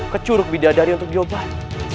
ke curug bidadari untuk diobah